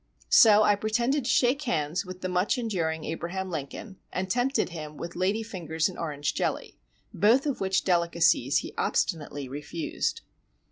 So I pretended to shake hands with the much enduring Abraham Lincoln, and tempted him with lady fingers and orange jelly, both of which delicacies he obstinately refused.